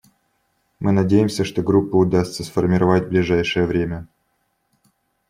Мы надеемся, что Группу удастся сформировать в ближайшее время.